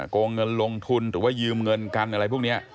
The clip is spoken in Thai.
โกงเงินลงทุนหรือว่ายืมเงินกันอะไรพวกนี้